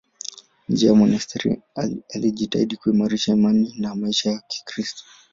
Nje ya monasteri alijitahidi kuimarisha imani na maisha ya Kikristo.